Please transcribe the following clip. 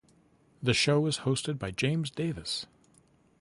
The show is hosted by James Davis.